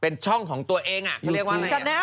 เป็นช่องของตัวเองเขาเรียกว่าอะไร